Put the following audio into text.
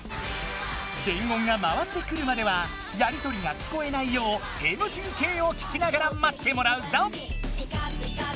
伝言が回ってくるまではやりとりが聞こえないようＭＴＫをききながらまってもらうぞ。